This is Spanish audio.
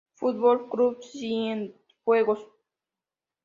Fútbol Club Cienfuegos